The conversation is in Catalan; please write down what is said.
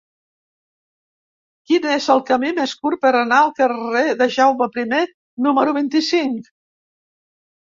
Quin és el camí més curt per anar al carrer de Jaume I número vint-i-cinc?